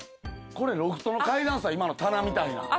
これロフトの階段ですわ今の棚みたいなん。